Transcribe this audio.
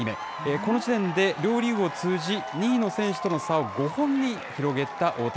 この時点で両リーグを通じ、２位の選手との差を５本に広げた大谷。